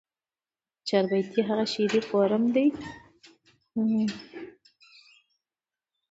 چاربیتې هغه شعري فورم دي، چي بندونه ئې دکسر له بند سره تړلي وي.